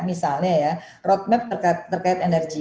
misalnya ya roadmap terkait energi